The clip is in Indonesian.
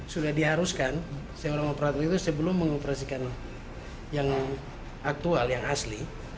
sudah diharuskan seorang operator itu sebelum mengoperasikan yang aktual yang asli